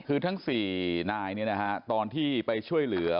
คือทั้ง๔นายตอนที่ไปช่วยเหลือ